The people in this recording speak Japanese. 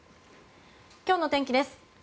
今日の天気です。